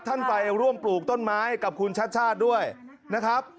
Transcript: ท่านไปร่วมปลูกต้นไม้กับคุณชาติชาติด้วยนะครับ